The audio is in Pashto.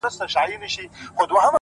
هره لاسته راوړنه د زحمت ثبوت دی!